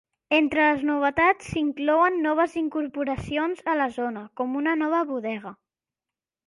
Entre les novetats s'inclouen noves incorporacions a la zona, com una nova bodega.